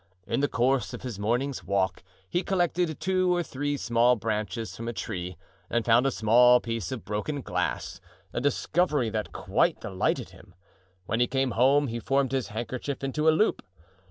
In the course of his morning's walk he collected two or three small branches from a tree and found a small piece of broken glass, a discovery that quite delighted him. When he came home he formed his handkerchief into a loop.